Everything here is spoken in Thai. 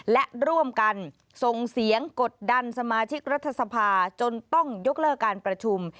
และร่วมกันส่งเสียงกดดันสมาชิกรัฐสภาจนต้องยกเลิกการประชุม